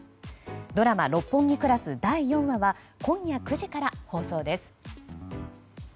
ドラマ「六本木クラス」第４話は今夜９時から放送です。